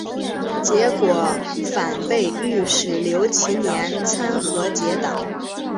结果反被御史刘其年参劾结党。